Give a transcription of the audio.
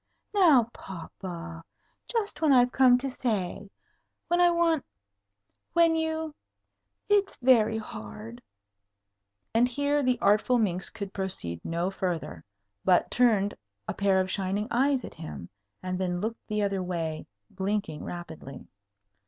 "Now, papa! just when I've come to say when I want when you it's very hard " and here the artful minx could proceed no further, but turned a pair of shining eyes at him, and then looked the other way, blinking rapidly.